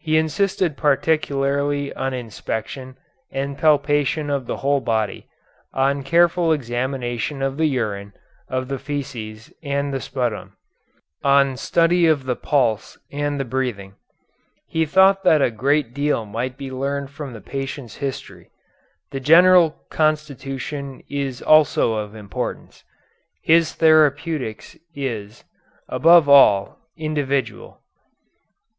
He insisted particularly on inspection and palpation of the whole body; on careful examination of the urine, of the feces, and the sputum; on study of the pulse and the breathing. He thought that a great deal might be learned from the patient's history. The general constitution is also of importance. His therapeutics is, above all, individual.